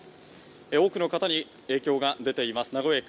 多くの方に影響が出ています。